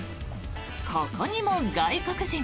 ここにも外国人。